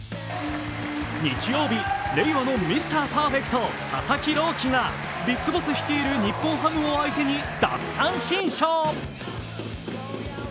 日曜日、令和のミスターパーフェクト・佐々木朗希がＢＩＧＢＯＳＳ率いる日本ハム相手に奪三振ショー。